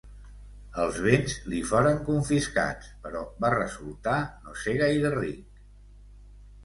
Els béns li foren confiscats, però va resultar no ser gaire ric.